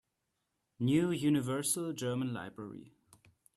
New Universal German Library